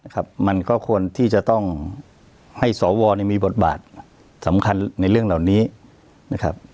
มันก็ควรที่จะต้องให้สวมีบทบาทสำคัญในเรื่องเหล่านี้นะครับ